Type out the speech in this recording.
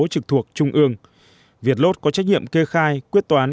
trực thuộc trung ương việt lốt có trách nhiệm kê khai quyết toán